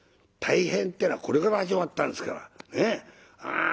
「たいへん」っていうのはこれから始まったんですから。